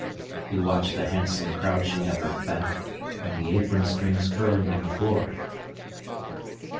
He watched the handsome crouching of her back, and the apron strings curling on the floor.